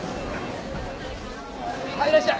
はいいらっしゃい。